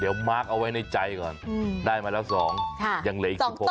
เดี๋ยวมาร์คเอาไว้ในใจก่อนได้มาแล้ว๒ยังเหลืออีก๑๖